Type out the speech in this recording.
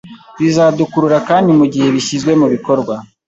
bizadukurura, kandi mu gihe bishyizwe mu bikorwa,